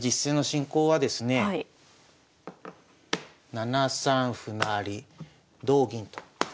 ７三歩成同銀と。